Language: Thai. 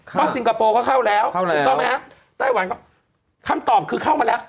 เพราะซิงคโปร์ก็เข้าแล้วถูกต้องไหมฮะไต้หวันก็คำตอบคือเข้ามาแล้ว